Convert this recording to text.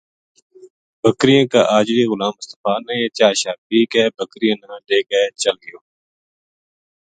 بکریاں کا اجڑی غلام مصطفی نے چاہ شاہ پی بکریاں نا لے چل گیو